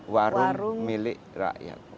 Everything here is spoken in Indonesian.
warung milik rakyat